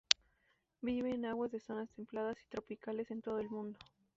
Vive en aguas de zonas templadas y tropicales en todo el mundo.